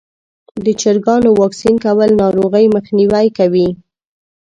د چرګانو واکسین کول ناروغۍ مخنیوی کوي.